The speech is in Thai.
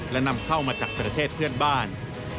และนำเข้ามาจากประเทศเพื่อนบ้าน